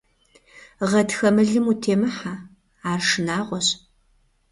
Гъатхэ мылым утемыхьэ, ар шынагъуэщ.